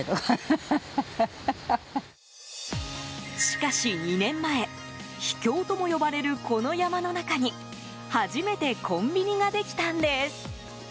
しかし２年前秘境とも呼ばれるこの山の中に初めてコンビニができたんです。